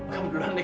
kamu duluan deh